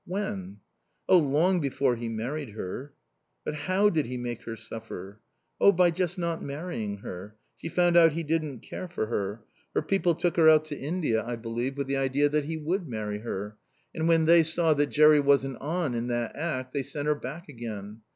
"When?" "Oh, long before he married her." "But how did he make her suffer?" "Oh, by just not marrying her. She found out he didn't care for her. Her people took her out to India, I believe, with the idea that he would marry her. And when they saw that Jerry wasn't on in that act they sent her back again.